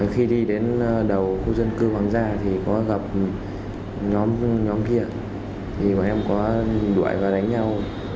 khi đi đến đầu khu dân cư hoàng gia thì có gặp nhóm kia thì bọn em có đuổi và đánh nhau